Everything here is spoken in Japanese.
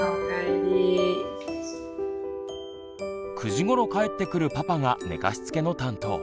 ９時ごろ帰ってくるパパが寝かしつけの担当。